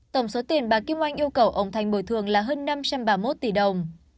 tổng số tiền bà kim oanh yêu cầu ông thành bồi thường là hơn năm trăm ba mươi một tỷ đồng